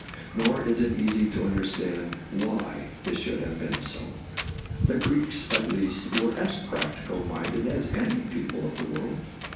Nor is it easy to understand why this should have been so. The Greeks, at least, were as practical minded as any people of the world.